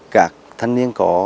các thanh niên có